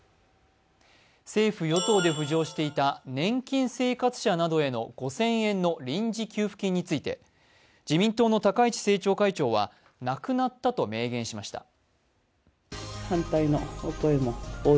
政府・与党で浮上していた年金生活者などへの５０００円の臨時給付金について自民党の高市政調会長はなくなったと明言しました。